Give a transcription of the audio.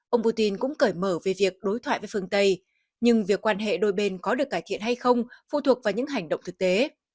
ông putin cũng cởi mở về việc đối thoại với phương tây nhưng việc quan hệ đôi bên có được cải thiện hay không phụ thuộc vào những hành động thực tế